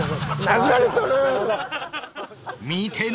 見てね！